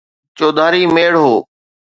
چوڌاري ميڙ هو.